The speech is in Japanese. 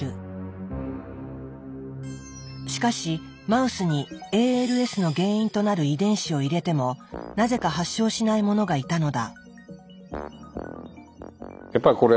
しかしマウスにＡＬＳの原因となる遺伝子を入れてもなぜか発症しないものがいたのだ。